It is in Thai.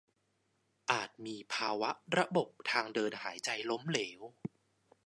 อาจมีภาวะระบบทางเดินหายใจล้มเหลว